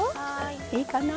いいかな？